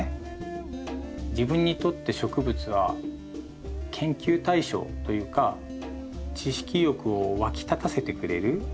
自分にとって植物は研究対象というか知識欲をわき立たせてくれる。